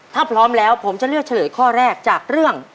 ถ้าพร้อมแล้วผมจะเลือกเฉลยข้อแรกจากเรื่อง